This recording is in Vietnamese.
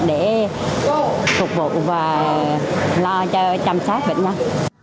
để có phục vụ và lo cho chăm sóc bệnh nhân